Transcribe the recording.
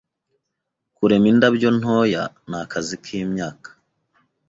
Kurema indabyo ntoya nakazi kimyaka